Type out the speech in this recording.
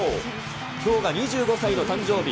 きょうが２５歳の誕生日。